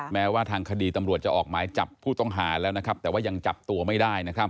แม้ว่าทางคดีตำรวจจะออกหมายจับผู้ต้องหาแล้วนะครับแต่ว่ายังจับตัวไม่ได้